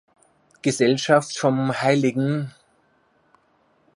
Gesellschaft vom hl.